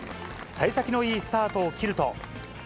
さい先のいいスタートを切ると。